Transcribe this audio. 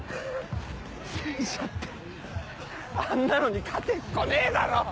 戦車ってあんなのに勝てっこねえだろ！